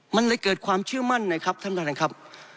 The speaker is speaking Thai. มันเลยเกิดความเชื่อมั่นนะครับท่านประธานครับ